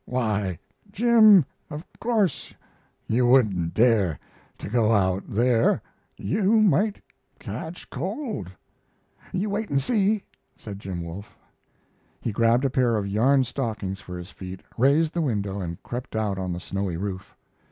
"Why, Jim, of course you wouldn't dare to go out there. You might catch cold." "You wait and see," said Jim Wolfe. He grabbed a pair of yarn stockings for his feet, raised the window, and crept out on the snowy roof.